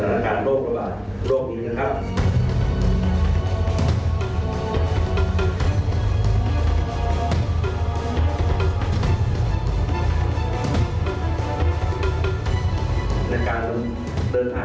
นักการเดินทางไปรับคนไทยที่เมืองภูฮันนะครับท่านจีนจีนทางประสงค์สหรัฐประเทศ